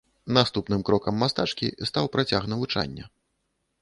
Наступным крокам мастачкі стаў працяг навучання.